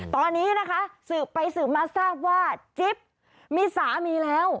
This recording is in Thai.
ตอนนี้นะคะสืบไปสืบมาทราบว่าจิ๊บมีสามีแล้ว